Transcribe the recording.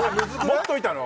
もっといたの？